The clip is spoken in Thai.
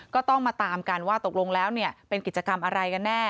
ก็ต้องมาตามกันว่าตกลงแล้วเป็นกิจกรรมอะไรกันแน่